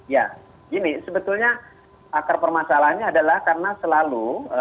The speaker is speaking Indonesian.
ya gini sebetulnya akar permasalahannya adalah karena selalu